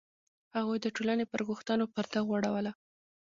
هغوی د ټولنې پر غوښتنو پرده غوړوله.